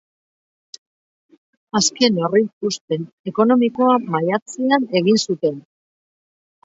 Azken aurreikuspen ekonomikoa maiatzean egin zuten.